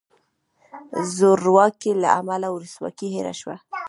زورواکۍ له امله ولسواکي هیره شوه.